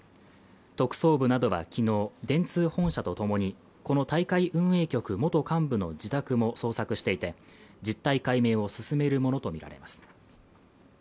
特捜部などはきのう電通本社とともにこの大会運営局元幹部の自宅も捜索していて実態解明を進めるものと見られます